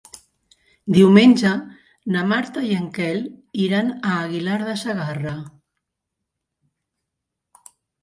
Diumenge na Marta i en Quel iran a Aguilar de Segarra.